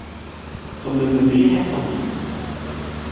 Xemmem mliḥ a Sami.